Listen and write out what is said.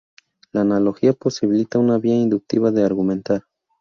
La analogía posibilita una vía inductiva de argumentar.